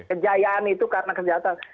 kejayaan itu karena kesejahteraan